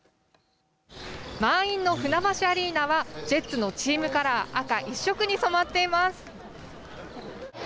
満員の船橋アリーナはジェッツのチームカラー赤一色に染まっています。